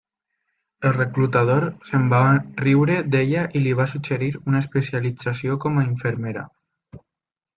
El reclutador se'n va riure d'ella i li va suggerir una especialització com a infermera.